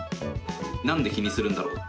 なんで気にするんだろう。